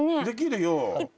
できるよ。